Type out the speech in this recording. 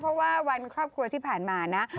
เพราะว่าวันครอบครัวที่ผ่านมานะ